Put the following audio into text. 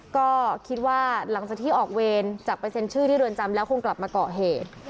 ก็คิดว่าหลังจากที่ออกเวรจากไปเซ็นชื่อที่เรือนจำแล้วคงกลับมาเกาะเหตุ